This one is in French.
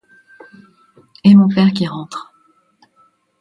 Et mon père qui rentre.